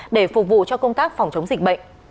để phục vụ cho công tác phòng chống dịch bệnh